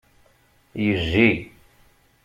Yejji.